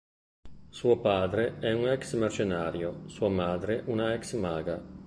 Suo padre è un ex-mercenario, sua madre una ex-maga.